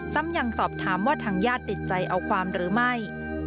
ซ้ำยังสอบถามว่าทางญาติติดใจเอาความหรือไม่